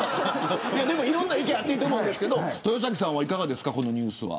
いろんな意見あっていいと思うんですけど豊崎さんはいかがですかこのニュース。